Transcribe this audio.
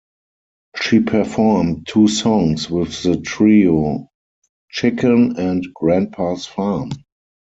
She performed two songs with the trio: "C-H-I-C-K-E-N" and "Grandpa's Farm".